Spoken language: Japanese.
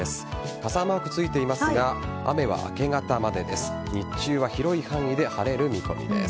傘マークついていますが雨は明け方までです。